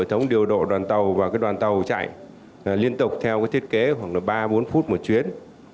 hệ thống điều độ đoàn tàu và đoàn tàu chạy liên tục theo thiết kế khoảng ba bốn phút một chuyến